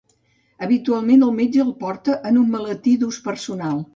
Habitualment el metge el porta en un maletí d'ús personal.